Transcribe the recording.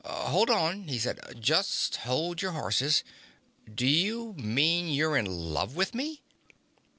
"Hold on," he said. "Just hold your horses. Do you mean you're in love with me?"